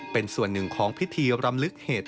เป็นส่วนหนึ่งของพิธีรำลึกเหตุ